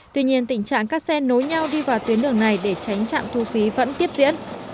tuy nhiên tình trạng các xe nối nhau đi vào tuyến đường này để tránh trạm thu phí vẫn tiếp diễn